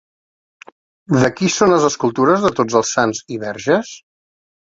De qui són les escultures de tots els sants i Verges?